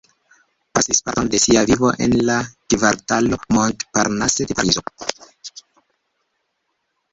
Pasis parton de sia vivo en la kvartalo Montparnasse de Parizo.